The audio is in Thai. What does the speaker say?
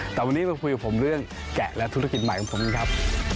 แต่วันนี้มาคุยกับผมเรื่องแกะและธุรกิจใหม่ของผมกันครับ